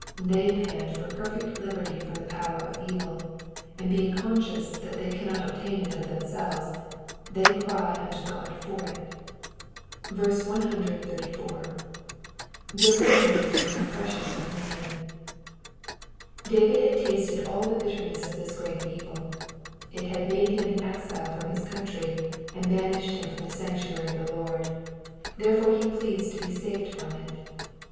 They pant for perfect liberty from the power of evil, and being conscious that they cannot obtain it of them selves, they cry unto God for it. Digitized by VjOOQIC PSALM ONE HUNDRED AND NINETEEN — ^VERSES 129 TO 136. 285 134. ^* Deliver me from the oppression of man,^^ David had tasted all the bitterness of this great evil. It had made him an exile from his country, and ^banished him from the sanctuary of the Lord : therefore he pleads to be saved from it.